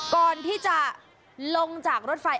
ก่อนที่จะลงจากรถไฟ